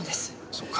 そうか。